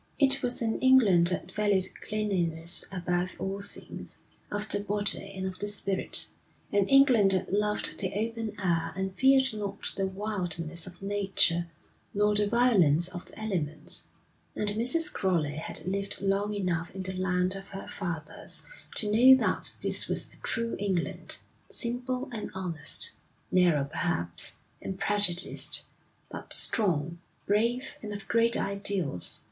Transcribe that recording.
It was an England that valued cleanliness above all things, of the body and of the spirit, an England that loved the open air and feared not the wildness of nature nor the violence of the elements. And Mrs. Crowley had lived long enough in the land of her fathers to know that this was a true England, simple and honest; narrow perhaps, and prejudiced, but strong, brave, and of great ideals.